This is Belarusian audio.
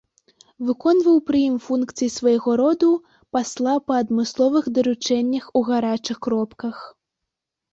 Выконваў пры ім функцыі свайго роду пасла па адмысловых даручэннях у гарачых кропках.